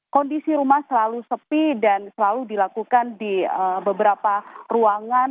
kondisi rumah selalu sepi dan selalu dilakukan di beberapa ruangan